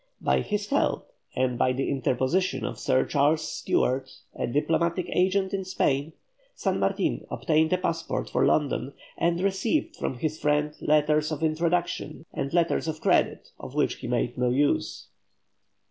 By his help and by the interposition of Sir Charles Stuart, a diplomatic agent in Spain, San Martin obtained a passport for London, and received from his friend letters of introduction, and letters of credit of which he made no use.